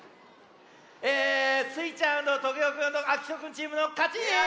えスイちゃんとトゲオくんとあきとくんチームのかち！